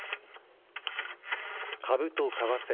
株と為替。